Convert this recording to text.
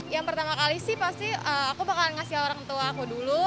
yang pertama kali sih pasti aku bakalan ngasih orang tua aku dulu